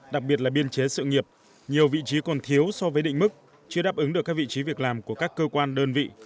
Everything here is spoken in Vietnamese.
đặc biệt là biên chế sự nghiệp nhiều vị trí còn thiếu so với định mức chưa đáp ứng được các vị trí việc làm của các cơ quan đơn vị